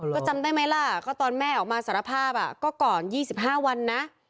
ก็จำได้ไหมล่ะก็ตอนแม่ออกมาสารภาพอ่ะก็ก่อนยี่สิบห้าวันน่ะ